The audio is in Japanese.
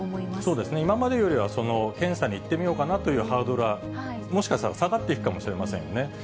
そうですね、今までよりは検査に行ってみようかなというハードルは、もしかしたら下がっていくかもしれませんよね。